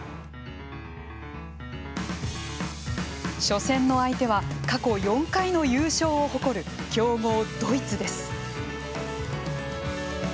初戦の相手は過去４回の優勝を誇る強豪ドイツです。